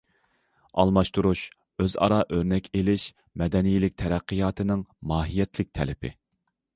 ئالماشتۇرۇش، ئۆزئارا ئۆرنەك ئېلىش مەدەنىيلىك تەرەققىياتىنىڭ ماھىيەتلىك تەلىپى.